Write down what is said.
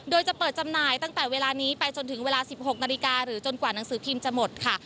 โดยจะเปิดจำหน่ายตั้งแต่เวลานี้ไปจนถึงเวลา๑๖นาฬิกาหรือจนกว่าหนังสือพิมพ์จะหมดค่ะ